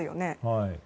はい。